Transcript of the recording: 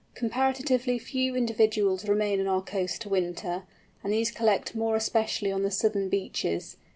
Comparatively few individuals remain on our coast to winter, and these collect more especially on the southern beaches.